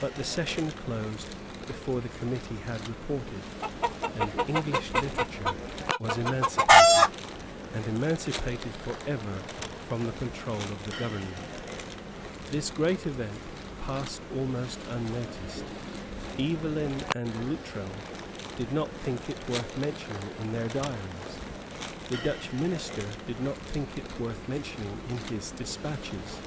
But the session closed before the committee had reported; and English literature was emancipated, and emancipated for ever, from the control of the government. This great event passed almost unnoticed. Evelyn and Luttrell did not think it worth mentioning in their diaries. The Dutch minister did not think it worth mentioning in his despatches.